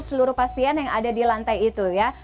seluruh pasien yang ada di lantai itu ya